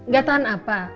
ga tahan apa